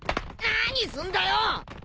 何すんだよ！